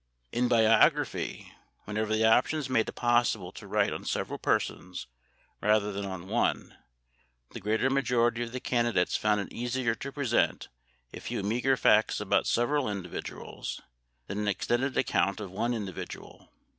In biography, whenever the options made it possible to write on several persons rather than on one, the greater majority of the candidates found it easier to present a few meagre facts about several individuals than an extended account of one individual.